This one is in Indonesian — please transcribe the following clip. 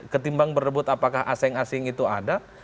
ketimbang berdebut apakah asing asing itu ada